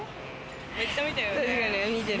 めっちゃ見たよね。